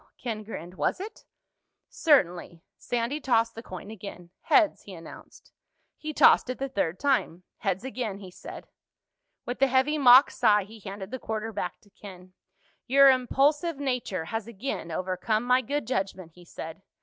Ken grinned. "Was it?" "Certainly." Sandy tossed the coin again. "Heads," he announced. He tossed it the third time. "Heads again," he said. With a heavy mock sigh he handed the quarter back to Ken. "Your impulsive nature has again overcome my good judgment," he said.